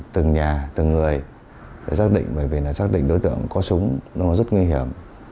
từng nhà từng người để xác định bởi vì xác định đối tượng có súng rất nguy hiểm